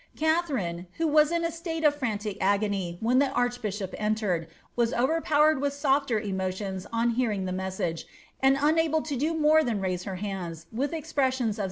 Katha finei who was in a state of frantic agony when the archbishop entered, was overpowered with softer emotions on hearing the message, and unable to do more than raise her hands with expressions of thankfulness 'Act!